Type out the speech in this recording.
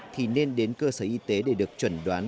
thì nên đến cơ sở y tế để được chuẩn đoán